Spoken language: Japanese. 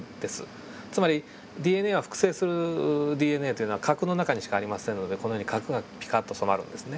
つまりＤＮＡは複製するＤＮＡというのは核の中にしかありませんのでこのように核がピカッと染まるんですね。